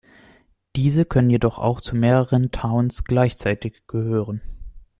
Diese können jedoch auch zu mehreren "towns" gleichzeitig gehören.